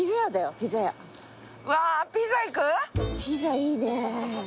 ピザいいね！